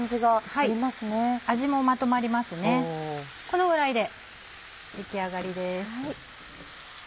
このぐらいで出来上がりです。